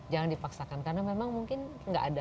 jangan dipaksakan karena memang mungkin nggak ada